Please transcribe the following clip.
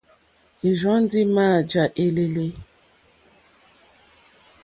Ìrzɔ́ ndí mǎjǎ éělélé.